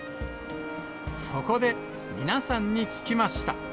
そこで、皆さんに聞きました。